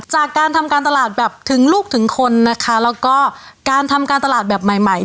จากการทำการตลาดแบบถึงลูกถึงคนนะคะแล้วก็การทำการตลาดแบบใหม่ใหม่